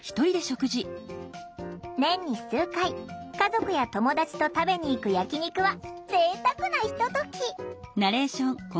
年に数回家族や友達と食べに行く焼き肉はぜいたくなひととき。